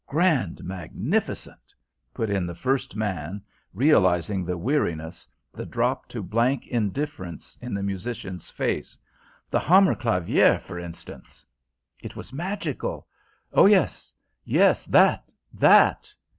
Grand magnificent!" put in the first man realising the weariness, the drop to blank indifference in the musician's face. "The 'Hammerclavier' for instance " It was magical. "Oh, yes, yes that that!"